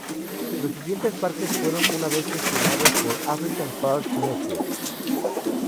Los siguientes parques fueron una vez gestionados por African Parks Network.